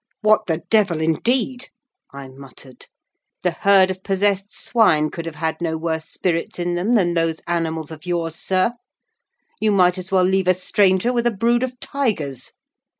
"What the devil, indeed!" I muttered. "The herd of possessed swine could have had no worse spirits in them than those animals of yours, sir. You might as well leave a stranger with a brood of tigers!"